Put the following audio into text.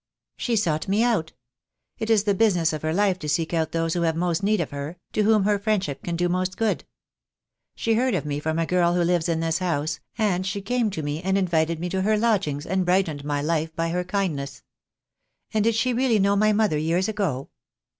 "She sought me out. It is the business of her life to seek out those who have most need of her, to whom her friendship can do most good. She heard of me from a girl who lives in this house, and she came to me and invited me to her lodgings, and brightened my life by her kindness. And did she really know my mother, years ago?"